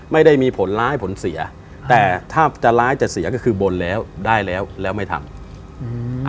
ไม่ได้มีผลร้ายผลเสียแต่ถ้าจะร้ายจะเสียก็คือบนแล้วได้แล้วแล้วไม่ทำอืม